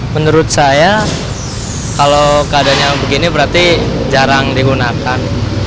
menurut saya kalau keadaannya begini berarti jarang digunakan